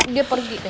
dia pergi deh